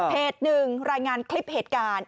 หนึ่งรายงานคลิปเหตุการณ์